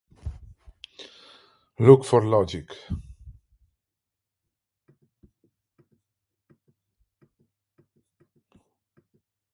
Look for the logic.